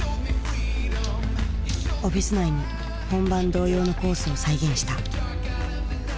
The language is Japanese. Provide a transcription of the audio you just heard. オフィス内に本番同様のコースを再現した。